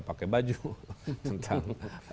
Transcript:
pakai baju tentang